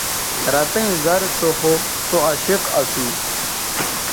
رتئیں زَر سو خو سوعشق اسُو